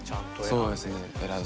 そうですね。